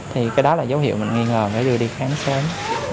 thì cái đó là dấu hiệu mình nghi ngờ để đưa đi khám sớm